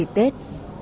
trong dịp tết